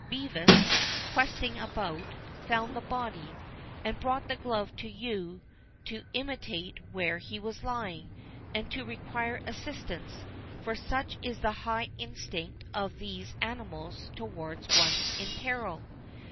Bevis, questing about, found the body, and brought the glove to you to intimate where it was lying, and to require assistance; for such is the high instinct of these animals towards one in peril."